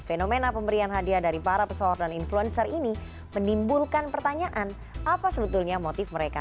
fenomena pemberian hadiah dari para pesohor dan influencer ini menimbulkan pertanyaan apa sebetulnya motif mereka